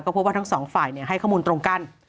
เพราะว่าทั้งสองฝ่ายให้ข้อมูลตรงกัน